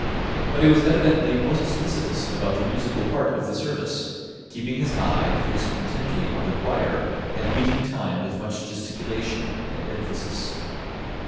But he was evidently most solicitous about the musical part of the service, keeping his eye fixed intently on the choir, and beating time with much gesticulation and emphasis.